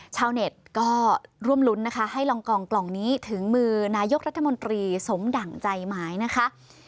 ชาวเน็ตก็ร่วมรุ้นนะคะให้ลองกองกล่องนี้ถึงมือนายกรัฐมนตรีสมดั่งใจหมายนะคะ